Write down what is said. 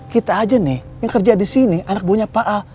kita aja nih yang kerja di sini anak buahnya pak a